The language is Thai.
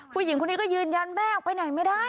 ผู้หญิงคนนี้ก็ยืนยันแม่ออกไปไหนไม่ได้